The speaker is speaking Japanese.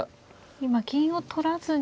今金を取らずに。